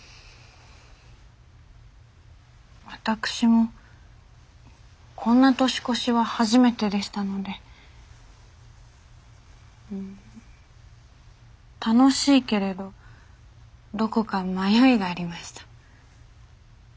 私もこんな年越しは初めてでしたので楽しいけれどどこか迷いがありました。